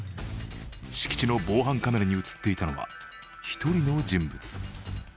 敷地の防犯カメラに映っていたのは１人の人物。